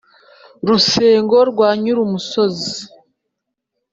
Rusengo rwa Nyirumusozi